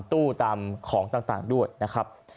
ตู้ตามของต่างด้วยนะครับ